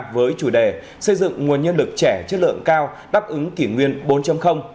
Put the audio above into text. với chủ đề xây dựng nguồn nhân lực trẻ chất lượng cao đáp ứng kỷ nguyên bốn